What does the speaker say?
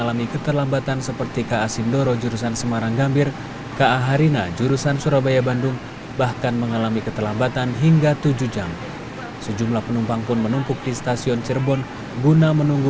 evakuasi yang dilakukan sejak minggu pagi baru dapat diselesaikan pada minggu siang